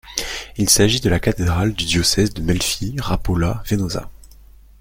Il s'agit de la cathédrale du diocèse de Melfi-Rapolla-Venosa.